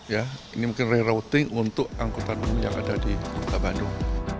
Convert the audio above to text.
ya ini mungkin rerouting untuk angkutan umum yang ada di kota bandung